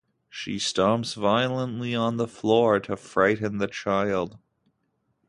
She stomps violently on the floor to frighten the child.